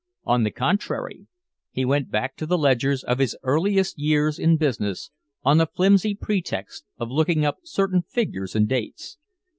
On the contrary, he went back to the ledgers of his earliest years in business, on the flimsy pretext of looking up certain figures and dates.